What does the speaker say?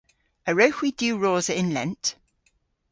A wrewgh hwi diwrosa yn lent?